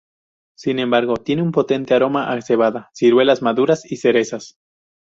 Sin embargo, tiene un potente aroma a cebada, ciruelas maduras y cerezas.